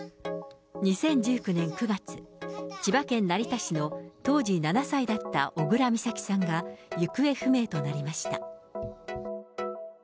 ２０１９年９月、千葉県成田市の当時７歳だった小倉美咲さんが行方不明となりました。